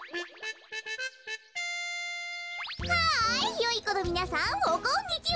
ハイよいこのみなさんおこんにちは。